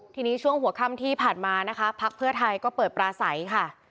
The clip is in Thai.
ทีนี้ช่วงหัวค่ำที่ผ่านมานะคะพักเพื่อไทยก็เปิดปลาใสค่ะ